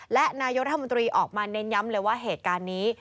และนายกรัฐมนตรีออกมาเน้นย้ำเลยว่าเหตุการณ์นี้